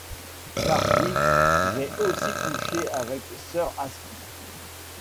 Car oui, j’ai aussi couché avec Sir Aspic.